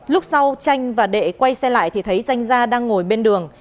lúc sau tranh và đệ quay xe lại thì thấy danh gia đang ngồi bên đường